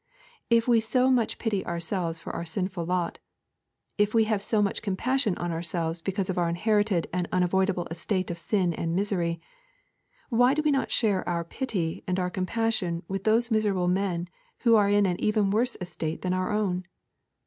If we so much pity ourselves for our sinful lot, if we have so much compassion on ourselves because of our inherited and unavoidable estate of sin and misery, why do we not share our pity and our compassion with those miserable men who are in an even worse estate than our own?